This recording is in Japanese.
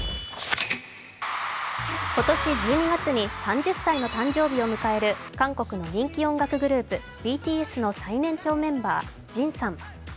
今年１２月に３０歳の誕生日を迎える韓国の人気音楽グループＢＴＳの最年長メンバー、ＪＩＮさん。